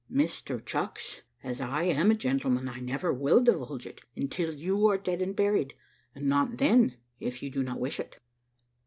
"Mr Chucks, as I am a gentleman I never will divulge it until you are dead and buried, and not then if you do not wish it."